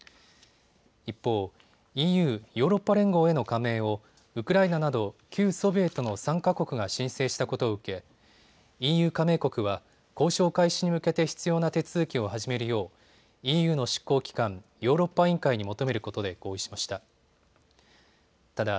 一方、ＥＵ・ヨーロッパ連合への加盟をウクライナなど旧ソビエトの３か国が申請したことを受けＥＵ加盟国は交渉開始に向けて必要な手続きを始めるようＥＵの執行機関、ヨーロッパ委員会に求めることで合意しました。